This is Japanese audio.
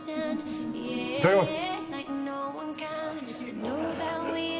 いただきます！